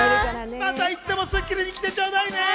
またいつでも『スッキリ』に来てちょうだいね。